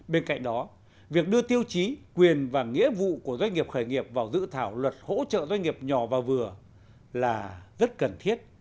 bên cạnh đó việc đưa tiêu chí quyền và nghĩa vụ của doanh nghiệp khởi nghiệp vào dự thảo luật hỗ trợ doanh nghiệp nhỏ và vừa là rất cần thiết